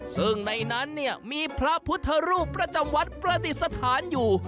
ซึ่งในนั้นเนี่ยมีพระพุทธรูปประจำวัดประดิษฐานอยู่